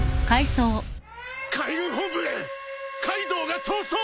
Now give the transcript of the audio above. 海軍本部へカイドウが逃走